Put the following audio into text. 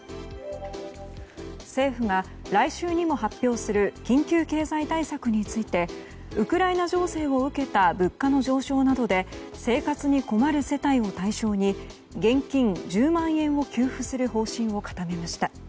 政府が来週にも発表する緊急経済対策についてウクライナ情勢を受けた物価の上昇などで生活に困る世帯を対象に現金１０万円を給付する方針を固めました。